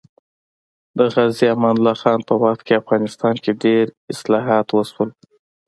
د غازي امان الله خان په وخت کې افغانستان کې ډېر اصلاحات وشول